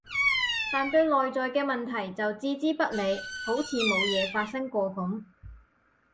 但對內在嘅問題就置之不理，好似冇嘢發生過噉